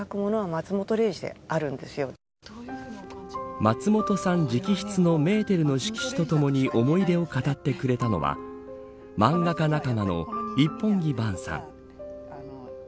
松本さん直筆のメーテルの色紙とともに思い出を語ってくれたのは漫画家仲間の一本木蛮さん。